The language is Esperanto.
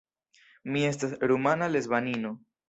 Mi estas rumana lesbanino.